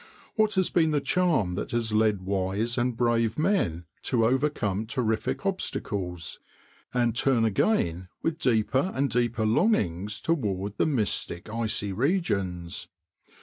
What has been the charm that has led wise and brave men to overcome terrific obstacles, and turn again with deeper and deeper longings toward the mystic icy regions?